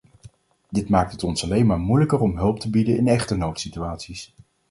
Dit maakt het ons alleen maar moeilijker om hulp te bieden in echte noodsituaties.